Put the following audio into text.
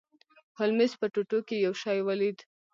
هولمز په ټوټو کې یو شی ولید.